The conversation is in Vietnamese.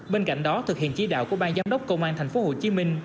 bên cạnh đó thực hiện chỉ đạo của bang giám đốc công an tp hcm